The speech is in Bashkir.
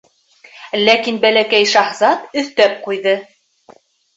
Ләкин Бәләкәй шаһзат өҫтәп ҡуйҙы: